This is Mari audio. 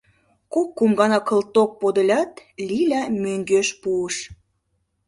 Кок-кум гана кылток подылят, Лиля мӧҥгеш пуыш.